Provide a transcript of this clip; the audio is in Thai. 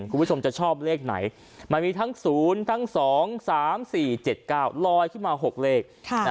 คุณผู้ชมจะชอบเลขไหนมันมีทั้ง๐ทั้ง๒๓๔๗๙ลอยขึ้นมา๖เลข